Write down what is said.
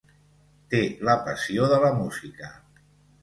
Té la passió de la música.